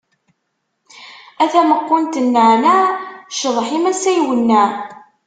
A tameqqunt n nneɛneɛ, ccḍeḥ-im ass-a iwenneɛ.